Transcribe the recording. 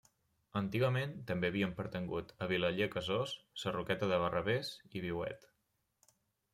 Antigament també havien pertangut a Vilaller Casós, Sarroqueta de Barravés i Viuet.